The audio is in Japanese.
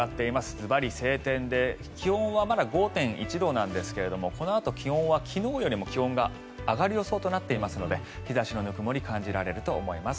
ずばり晴天で気温はまだ５．１度なんですがこのあと気温は昨日よりも気温が上がる予想となっていますので日差しのぬくもり感じられると思います。